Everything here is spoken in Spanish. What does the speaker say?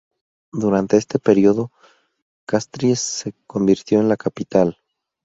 Durante este período, Castries se convirtió en la capital.